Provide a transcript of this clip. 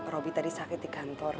roby tadi sakit di kantor